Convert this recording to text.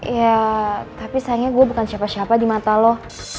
ya tapi sayangnya gue bukan siapa siapa di mata lo